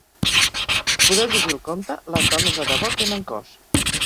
Podeu llegir el conte Les dones de debò tenen cos.